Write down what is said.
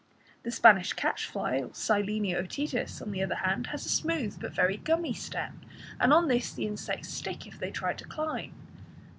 The Spanish catchfly (Silene otites), on the other hand, has a smooth, but very gummy stem, and on this the insects stick, if they try to climb.